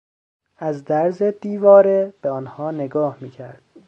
از درز دیواره به آنها نگاه میکرد.